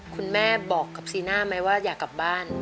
คุณแม่บอกกับซีน่าไหมว่าอยากกลับบ้าน